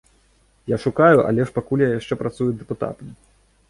Я шукаю, але ж пакуль я яшчэ працую дэпутатам.